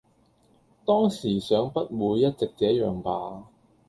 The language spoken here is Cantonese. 當時想不會一直這樣吧！